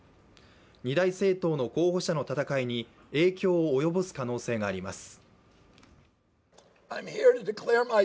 二大政党の候補者の戦いに影響を及ぼす可能性があります。